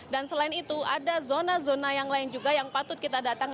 dan selain itu ada zona zona yang lain juga yang patut kita datang